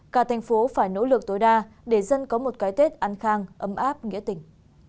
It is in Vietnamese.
cả thành phố phải nỗ lực tối đa để dân có một cái tết an khang ấm áp nghĩa tình